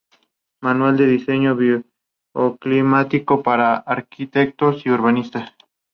Presentan hojas alternas, ocasionalmente todas basales.